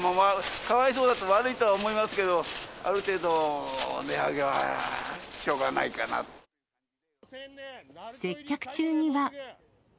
かわいそうだとは、悪いとは思いますけど、ある程度、値上げはし接客中には。